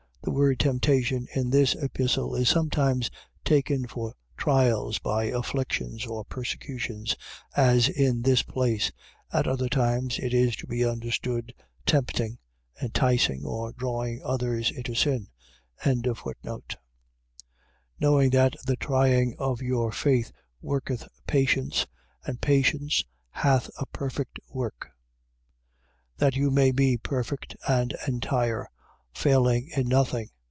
. .The word temptation, in this epistle, is sometimes taken for trials by afflictions or persecutions, as in this place: at other times, it is to be understood, tempting, enticing, or drawing others into sin. 1:3. Knowing that the trying of your faith worketh patience 1:4. And patience hath a perfect work: that you may be perfect and entire, failing in nothing.